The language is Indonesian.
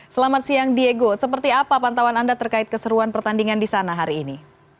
selamat siang diego seperti apa pantauan anda terkait keseruan pertandingan di sana hari ini